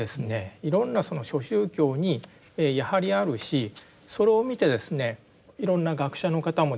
いろんな諸宗教にやはりあるしそれを見てですねいろんな学者の方もですねこういった宗教被害